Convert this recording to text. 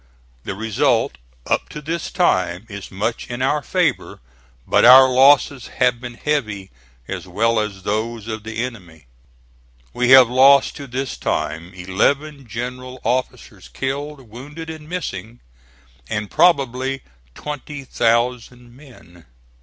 The result up to this time is much in our favor. But our losses have been heavy as well as those of the enemy. We have lost to this time eleven general officers killed, wounded and missing, and probably twenty thousand men.